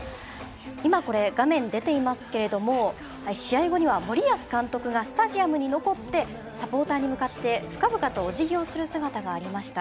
今これ画面でていますけれども試合後には森保監督がスタジアムに残ってサポーターに向かって深々とお辞儀をする姿がありました。